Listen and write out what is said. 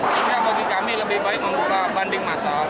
sehingga bagi kami lebih baik membuka banding masal